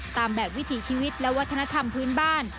ตามแบบวิถีชีวิตและวัฒนธรรมพื้นบ้าน